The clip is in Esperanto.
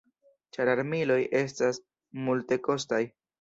Ĉar armiloj estas multekostaj.